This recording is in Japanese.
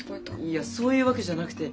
いやそういうわけじゃなくて。